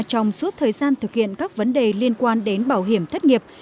trong suốt thời gian thực hiện các vấn đề liên quan đến bảo hiểm thất nghiệp